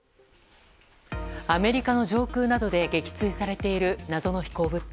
アメリカの上空などで撃墜されている謎の飛行物体。